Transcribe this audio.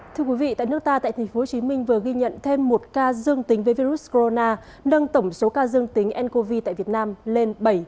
thưa quý vị tại nước ta tại tp hcm vừa ghi nhận thêm một ca dương tính với virus corona nâng tổng số ca dương tính ncov tại việt nam lên bảy mươi